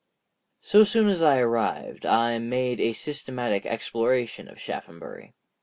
So soon as I arrived I made a systematic exploration of Shaphambury.